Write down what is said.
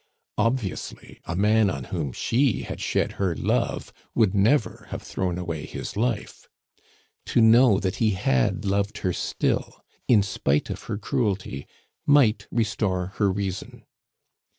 Obviously a man on whom she had shed her love would never have thrown away his life! To know that he had loved her still, in spite of her cruelty, might restore her reason.